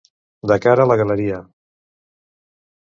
De cara a la galeria.